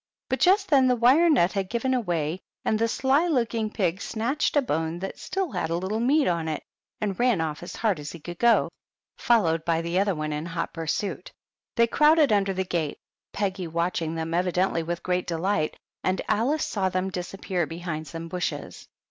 But just then the wire net had given way, and the sly looking pig snatched a bone that still had a little meat on it and ran off as hard as he could go, followed by the other one in hot pursuit. They crowded under the gate, Peggy watching them evidently with great delight, and Alice saw them disappear behind some bushes.